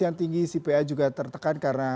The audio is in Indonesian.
yang tinggi sipa juga tertekan karena